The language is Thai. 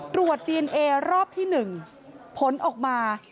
ตรวจดีเอนเอรอบที่๑ผลออกมา